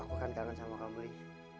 aku kan kangen sama kamu li